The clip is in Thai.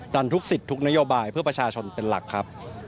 ันทุกสิทธิ์ทุกนโยบายเพื่อประชาชนเป็นหลักครับ